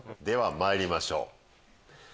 ではまいりましょう。